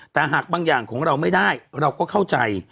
แต่หากบางอย่างของเราไม่ได้เราก็เข้าใจ